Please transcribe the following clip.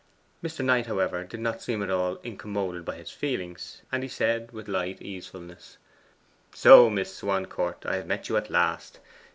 Mr. Knight, however, did not seem at all incommoded by his feelings, and he said with light easefulness: 'So, Miss Swancourt, I have met you at last.